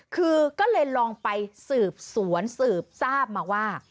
คือก็เลยลองไปสืบสวนสืบทราบมาว่า